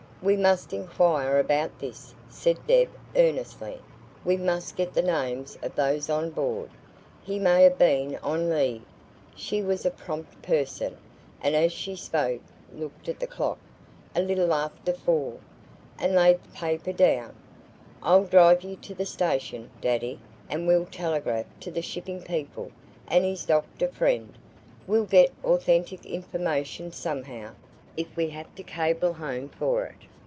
"We must inquire about this," said Deb earnestly. "We must get the names of those on board. He may have been on leave." She was a prompt person, and as she spoke looked at the clock a little after four and laid the paper down. "I'll drive you to the station, daddy, and we'll telegraph to the shipping people and his doctor friend. We'll get authentic information somehow, if we have to cable home for it."